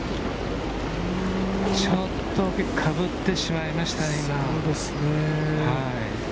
ちょっとかぶってしまいましたね、今。